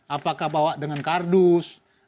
apakah bawa dengan kardus